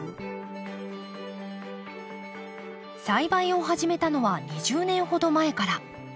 栽培を始めたのは２０年ほど前から。